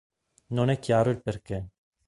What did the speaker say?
Non è chiaro il perché.